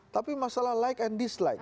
tapi masalah like and dislike